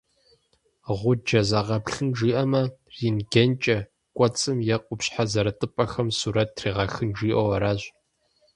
Гъуджэ зэгъэплъын жиӏэмэ, рентгенкӀэ кӀуэцӀым е къупщхьэ зэрытыпӀэхэм сурэт трегъэхын жиӏэу аращ.